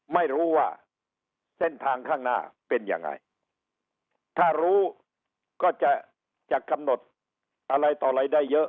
ไม่รู้ว่าเส้นทางข้างหน้าเป็นยังไงถ้ารู้ก็จะจะกำหนดอะไรต่ออะไรได้เยอะ